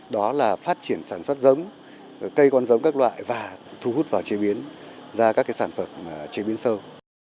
đó là phát triển sản xuất giống cây con giống các loại và thu hút vào chế biến ra các sản phẩm chế biến sâu